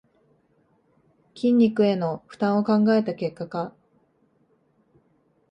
筋肉への負担を考えた結果か